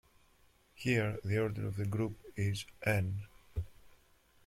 Here the order of the group is "n"!